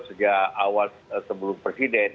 sejak awal sebelum presiden